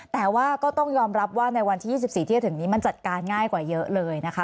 แต่ว่าก็ต้องยอมรับว่าในวันที่๒๔ที่จะถึงนี้มันจัดการง่ายกว่าเยอะเลยนะคะ